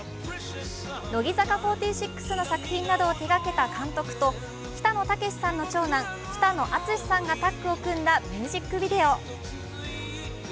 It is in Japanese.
乃木坂４６の作品などを手がけた監督と北野武さんの長男・北野篤さんがタッグを組んだミュージックビデオ。